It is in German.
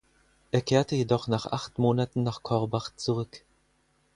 Er kehrte jedoch nach acht Monaten nach Korbach zurück.